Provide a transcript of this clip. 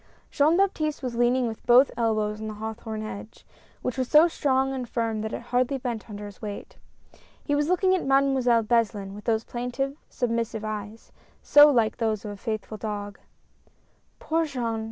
" Jean Baptiste was leaning with both elbows on the hawthorn hedge, which was so strong and firm that it hardly bent under his weight. He was looking at Mademoiselle Beslin with those plaintive, submissive eyes, so like those of a faithful dog. D K E A M S . 43 "Poor Jean!"